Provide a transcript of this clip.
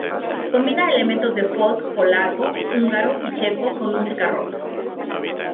Combina elementos de folk polaco, húngaro y checo con música rock.